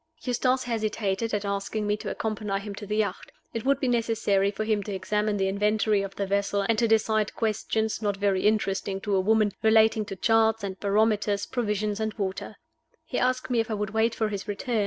Eustace hesitated at asking me to accompany him to the yacht. It would be necessary for him to examine the inventory of the vessel, and to decide questions, not very interesting to a woman, relating to charts and barometers, provisions and water. He asked me if I would wait for his return.